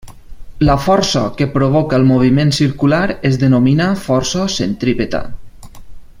La força que provoca el moviment circular es denomina força centrípeta.